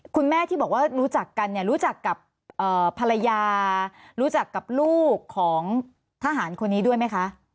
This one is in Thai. คุณแม่ที่บอกว่ารู้จักกันเนี่ยรู้จักกับภรรยารู้จักกับลูกของทหารคนนี้ด้วยไหมคะ